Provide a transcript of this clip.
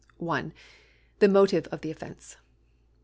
L The motive of the offence.